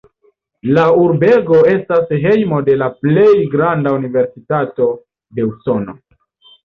La urbego estas hejmo de la plej granda universitato de Usono.